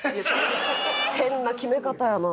変な決め方やなあ。